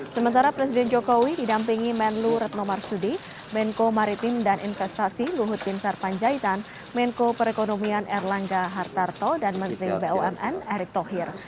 sementara presiden jokowi didampingi menlu retno marsudi menko maritim dan investasi luhut bin sarpanjaitan menko perekonomian erlangga hartarto dan menteri bumn erick thohir